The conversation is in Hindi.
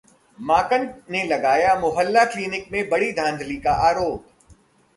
माकन ने लगाया मोहल्ला क्लीनिक में बड़ी धांधली का आरोप